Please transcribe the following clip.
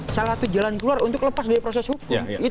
salah satu jalan keluar untuk lepas dari proses hukum